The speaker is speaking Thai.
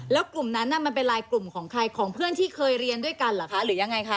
แล้วกลุ่มนั้นมันเป็นลายกลุ่มของใครของเพื่อนที่เคยเรียนด้วยกันเหรอคะหรือยังไงคะ